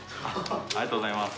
ありがとうございます。